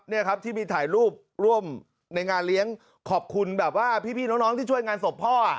นี่ครับที่มีถ่ายรูปร่วมในงานเลี้ยงขอบคุณแบบว่าพี่น้องที่ช่วยงานศพพ่อ